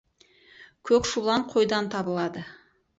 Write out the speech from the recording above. Көк шулан қойдан табылады.